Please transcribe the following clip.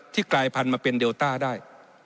ที่กลายพันมาเป็นเดลต้าได้